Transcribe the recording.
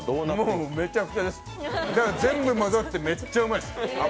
もう、めちゃくちゃです、全部混ざって、めっちゃうまいです。